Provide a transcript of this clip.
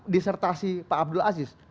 disertasi pak abdul aziz